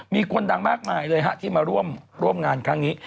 มีคนดังมากมายเลยฮะที่มาร่วมงานครั้งนี้